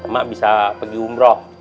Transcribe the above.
mak bisa pergi umroh